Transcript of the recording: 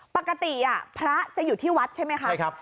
ปกติพระจะอยู่ที่วัดใช่ไหมคะ